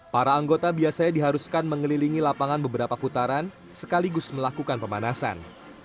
para anggota biasanya diharuskan mengelilingi lapangan beberapa putaran sekaligus melakukan pemanasan